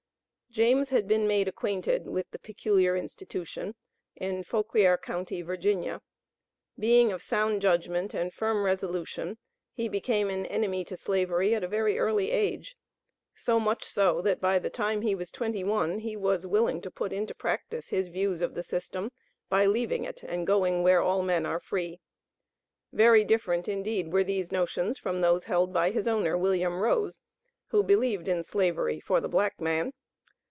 James had been made acquainted with the Peculiar Institution in Fauquier county, Va. Being of sound judgment and firm resolution, he became an enemy to Slavery at a very early age; so much so, that by the time he was twenty one he was willing to put into practice his views of the system by leaving it and going where all men are free. Very different indeed were these notions, from those held by his owner, Wm. Rose, who believed in Slavery for the black man.